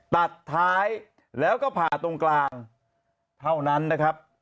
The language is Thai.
ตัดท้ายแล้วก็ผ่าตรงกลางเท่านั้นนะครับ